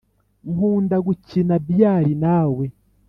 nkunda gukina biyari nawe